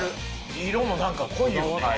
色も何か濃いよね。